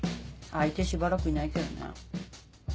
相手しばらくいないけどね。